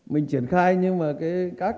mình triển khai nhưng mà các